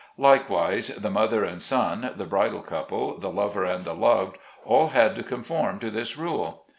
Likewise the mother and son, the bridal couple, the lover and the loved, all had to conform to this rule.